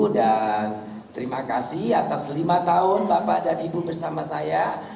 dan terima kasih atas lima tahun bapak dan ibu bersama saya